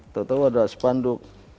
tentu ada sepanduk